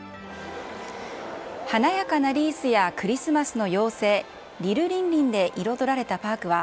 華やかなリースやクリスマスの妖精、リルリンリンで彩られたパークは、